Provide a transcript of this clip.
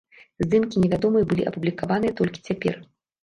Здымкі невядомай былі апублікаваныя толькі цяпер.